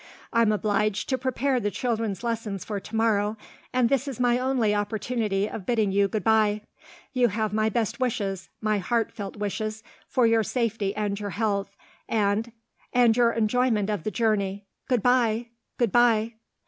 "I'm obliged to prepare the children's lessons for to morrow; and this is my only opportunity of bidding you good bye. You have my best wishes my heartfelt wishes for your safety and your health, and and your enjoyment of the journey. Good bye! good bye!"